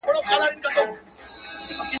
چي خپل ځان یې د خاوند په غېږ کي ورکړ.